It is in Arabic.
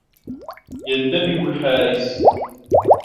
يَنْتَبِهُ الْحارِسُ.